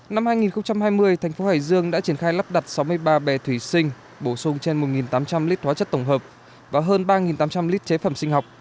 năm hai nghìn hai mươi thành phố hải dương đã triển khai lắp đặt sáu mươi ba bè thủy sinh bổ sung trên một tám trăm linh lít hóa chất tổng hợp và hơn ba tám trăm linh lít chế phẩm sinh học